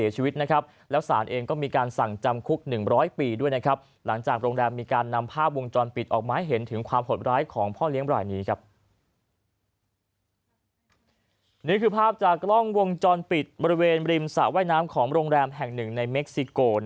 จอนปิดบริเวณริมสระว่ายน้ำของโรงแรมแห่งหนึ่งในเม็กซิโก